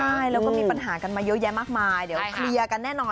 ใช่แล้วก็มีปัญหากันมาเยอะแยะมากมายเดี๋ยวเคลียร์กันแน่นอน